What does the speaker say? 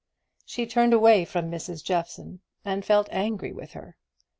She turned away from Mrs. Jeffson, and felt angry with her.